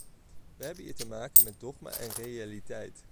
We hebben hier te maken met dogma en realiteit.